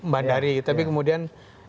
bandari tapi kemudian